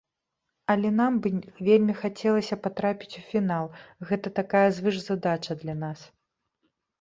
Але нам бы вельмі хацелася патрапіць у фінал, гэта такая звышзадача для нас.